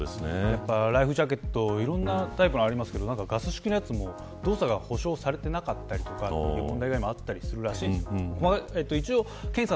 ライフジャケット、いろんなタイプがありますけどガス式のやつも動作が保証されていなかったりという問題もあったりするらしいんです。